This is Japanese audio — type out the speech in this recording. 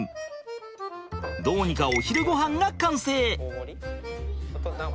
どうにかお昼ごはんが完成。